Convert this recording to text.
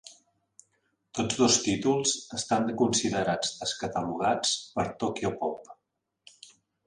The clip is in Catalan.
Tots dos títols estan considerats "descatalogats" per Tokyopop.